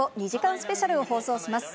スペシャルを放送します。